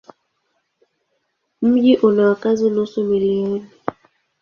Mji una wakazi nusu milioni.